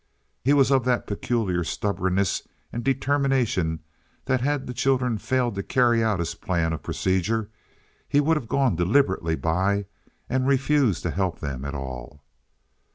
He was of that peculiar stubbornness and determination that had the children failed to carry out his plan of procedure he would have gone deliberately by and refused to help them at all.